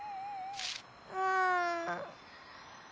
うん。